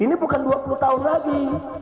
ini bukan dua puluh tahun lagi